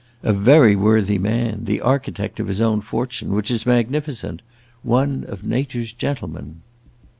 "A very worthy man. The architect of his own fortune which is magnificent. One of nature's gentlemen!"